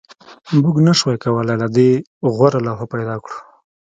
موږ نشوای کولی له دې غوره لوحه پیدا کړو